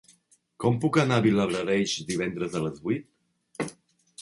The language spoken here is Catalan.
Com puc anar a Vilablareix divendres a les vuit?